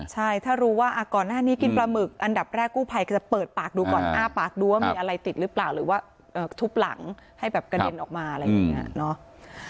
ใช่ถ้ารู้ว่าก่อนหน้านี้กินปลาหมึกอันดับแรกกู้ภัยก็จะเปิดปากดูก่อนอ้าปากดูว่ามีอะไรติดหรือเปล่าหรือว่าทุบหลังให้แบบกระเด็นออกมาอะไรอย่างนี้เนาะ